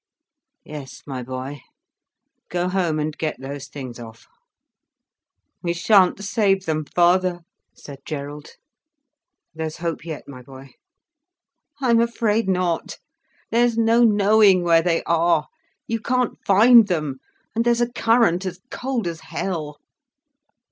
"Yes my boy? Go home and get those things off." "We shan't save them, father," said Gerald. "There's hope yet, my boy." "I'm afraid not. There's no knowing where they are. You can't find them. And there's a current, as cold as hell."